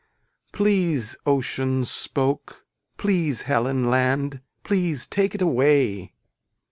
Please ocean spoke please Helen land please take it away.